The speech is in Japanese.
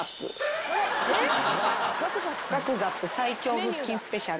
ガクザップ最強腹筋スペシャル。